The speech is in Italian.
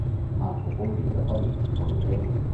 Marco convive a Parigi con Irene.